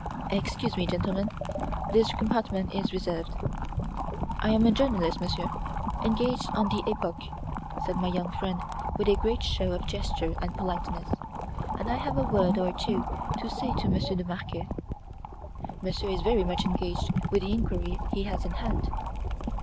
"Excuse me, gentlemen, this compartment is reserved." "I am a journalist, Monsieur, engaged on the 'Epoque,'" said my young friend with a great show of gesture and politeness, "and I have a word or two to say to Monsieur de Marquet." "Monsieur is very much engaged with the inquiry he has in hand."